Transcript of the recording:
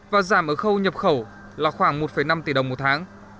và giảm ở khâu nhập khẩu là khoảng một năm tỷ đồng một tháng